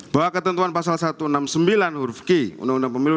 bahwa ketentuan pasal satu ratus enam puluh sembilan huruf q undang undang pemilu